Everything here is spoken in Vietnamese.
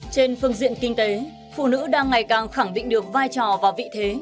trên phương diện kinh tế phụ nữ đang ngày càng khẳng định được vai trò và vị thế